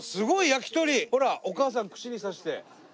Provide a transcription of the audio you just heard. ほらお母さん串に刺して。